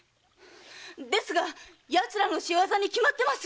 ですが奴らの仕業に決まってます！